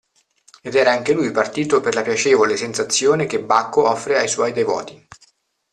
Ed era anche lui partito per la piacevole sensazione che Bacco offre ai suoi devoti.